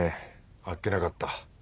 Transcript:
あっけなかった。